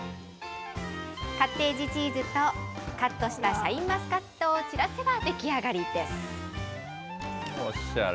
カッテージチーズとカットしたシャインマスカットを散らせば出来おしゃれ。